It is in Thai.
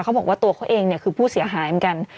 เขาบอกว่าตัวเขาเองเนี่ยคือผู้เสียหายเหมือนกัน